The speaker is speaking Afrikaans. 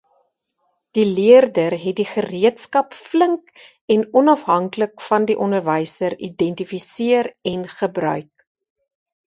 Die leerder het die gereedskap flink en onafhanklik van die onderwyser identifiseer en gebruik.